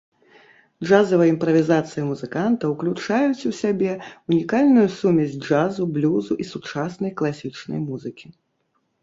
Джазавыя імправізацыі музыканта ўключаюць у сябе унікальную сумесь джазу, блюзу і сучаснай класічнай музыкі.